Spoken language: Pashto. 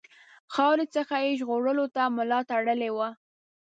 خاورې څخه یې ژغورلو ته ملا تړلې وه.